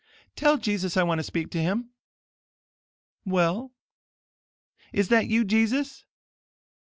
"Tell Jesus I want to speak to him." "Well?" "Is that you, Jesus?"